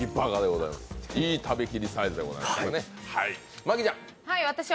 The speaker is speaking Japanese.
いい食べ切りサイズでございます。